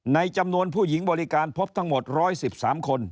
จำนวนผู้หญิงบริการพบทั้งหมด๑๑๓คน